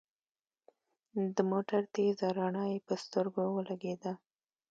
د موټر تېزه رڼا يې پر سترګو ولګېده.